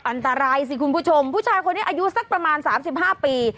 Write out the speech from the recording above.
อันตรายสิคุณผู้ชมผู้ชายคนนี้อายุสักประมาณ๓๕ปี